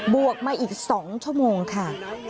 บวกมาอีก๒ชมค่ะ